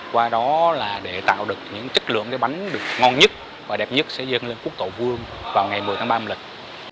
qua đó là để tạo được những chất lượng cái bánh được ngon nhất và đẹp nhất sẽ dân lên quốc tổ vương vào ngày một mươi tháng ba mươi lịch